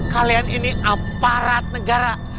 kalian ini aparat negara